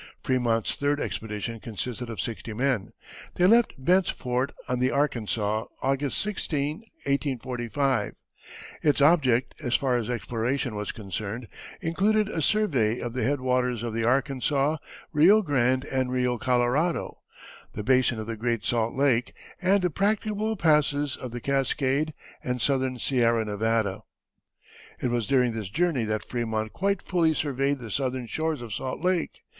Frémont's third expedition consisted of sixty men. They left Bent's Fort, on the Arkansas, August 16, 1845. Its object, as far as exploration was concerned, included a survey of the head waters of the Arkansas, Rio Grande, and Rio Colorado, the basin of the Great Salt Lake and the practicable passes of the Cascade and southern Sierra Nevada. It was during this journey that Frémont quite fully surveyed the southern shores of Salt Lake.